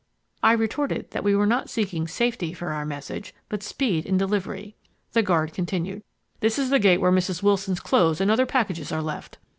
I retorted that we were not seeking safety for our message, but speed in delivery. The guard continued: "This is the gate where Mrs. Wilson's clothes and other packages are left."